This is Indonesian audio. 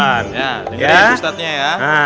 dengerin ustadznya ya